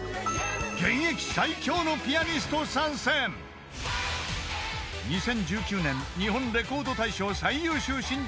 ［現役最強のピアニスト参戦］［２０１９年日本レコード大賞最優秀新人賞に輝いたアイドル］